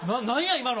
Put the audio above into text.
今の。